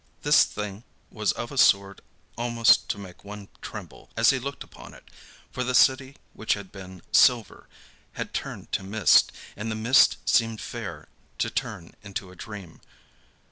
This thing was of a sort almost to make one tremble as he looked upon it, for the city which had been silver had turned to mist, and the mist seemed fair to turn into a dream.